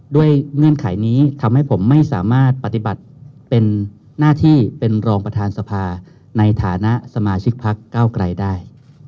เงื่อนไขนี้ทำให้ผมไม่สามารถปฏิบัติเป็นหน้าที่เป็นรองประธานสภาในฐานะสมาชิกพักเก้าไกลได้